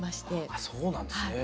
あそうなんですね。